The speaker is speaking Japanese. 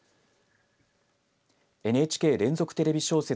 ＮＨＫ連続テレビ小説